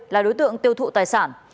là đối tượng tiêu thụ tài sản